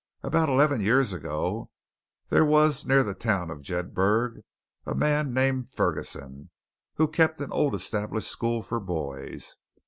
About eleven years ago, there was near the town of Jedburgh a man named Ferguson, who kept an old established school for boys.